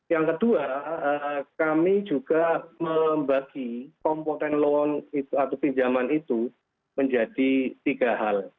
yang kedua kami juga membagi komponen loan atau pinjaman itu menjadi tiga hal